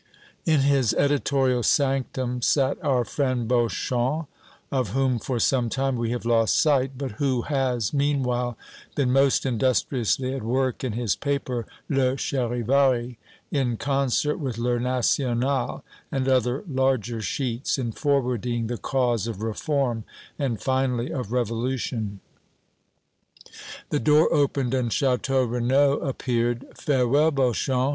In his editorial sanctum sat our friend Beauchamp, of whom for some time we have lost sight, but who has, meanwhile, been most industriously at work in his paper, "Le Charivari," in concert with "Le National" and other larger sheets, in forwarding the cause of reform and, finally, of revolution. The door opened and Château Renaud appeared. "Farewell, Beauchamp!"